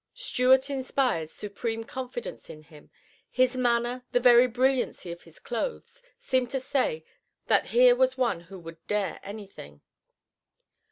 Stuart inspired supreme confidence in him. His manner, the very brilliancy of his clothes, seemed to say that here was one who would dare anything.